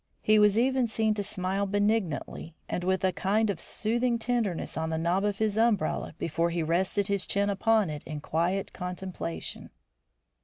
He was even seen to smile benignantly and with a kind of soothing tenderness on the knob of his umbrella before he rested his chin upon it in quiet contemplation.